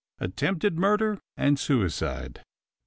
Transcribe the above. ATTEMPTED MURDER AND SUICIDE.